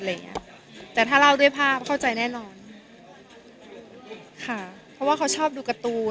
อย่างเงี้ยแต่ถ้าเล่าด้วยภาพเข้าใจแน่นอนค่ะเพราะว่าเขาชอบดูการ์ตูน